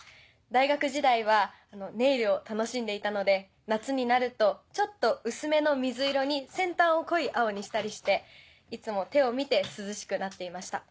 大学時代はネイルを楽しんでいたので夏になるとちょっと薄めの水色に先端を濃い青にしたりしていつも手を見て涼しくなっていました。